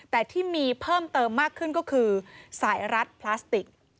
แต่ที่มีเพิ่มเติมมากขึ้นก็คือสายรัดพลาสติก